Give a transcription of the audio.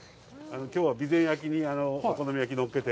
きょうは備前焼にお好み焼きのっけて。